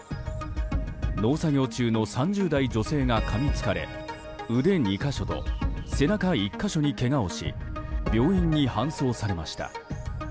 農作業中の３０代女性がかみつかれ腕２か所と背中１か所にけがをし病院に搬送されました。